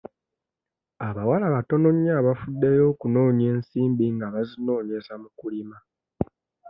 Abawala batono nnyo abafuddeyo okunoonya ensimbi nga bazinoonyeza mu kulima.